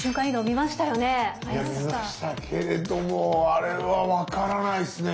見ましたけれどもあれは分からないっすね。